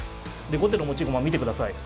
で後手の持ち駒見てください。